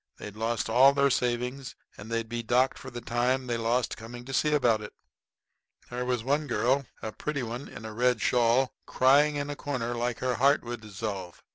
They'd lost all their savings and they'd be docked for the time they lost coming to see about it. There was one girl a pretty one in a red shawl, crying in a corner like her heart would dissolve.